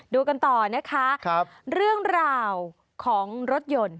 ดูกันต่อนะคะเรื่องราวของรถยนต์